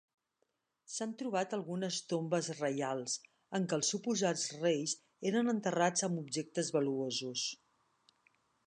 S'han trobat algunes tombes reials, en què els suposats reis eren enterrats amb objectes valuosos.